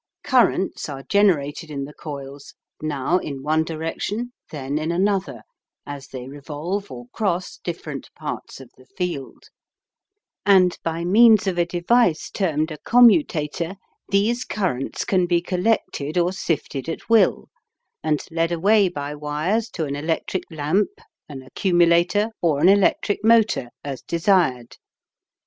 Currents are generated in the coils, now in one direction then in another, as they revolve or cross different parts of the field; and, by means of a device termed a commutator, these currents can be collected or sifted at will, and led away by wires to an electric lamp, an accumulator, or an electric motor, as desired.